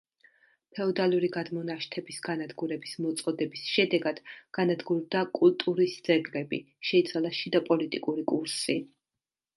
ფეოდალური გადმონაშთების განადგურების მოწოდების შედეგად განადგურდა კულტურის ძეგლები, შეიცვალა შიდაპოლიტიკური კურსი.